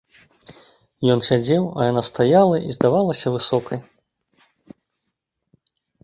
Ён сядзеў, а яна стаяла і здавалася высокай.